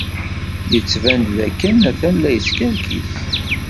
Yettban-d dakken atan la yeskerkis.